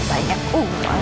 mau jalan dua jalan pacin